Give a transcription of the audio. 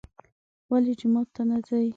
ولې جومات ته نه ځي.